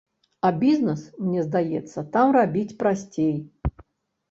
А бізнес, мне здаецца, там рабіць прасцей.